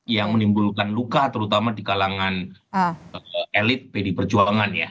yang menimbulkan luka terutama di kalangan elit pd perjuangan ya